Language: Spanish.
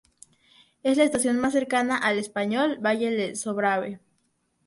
Es la estación más cercana al español valle del Sobrarbe.